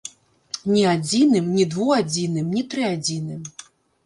Ні адзіным, ні двуадзіным, ні трыадзіным!